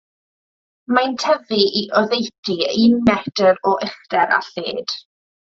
Mae'n tyfu i oddeutu un metr o uchder a lled.